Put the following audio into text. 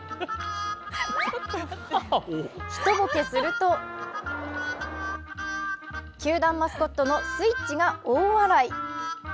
１ボケすると球団マスコットのスイッチが大笑い。